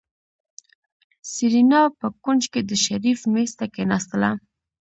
سېرېنا په کونج کې د شريف مېز ته کېناستله.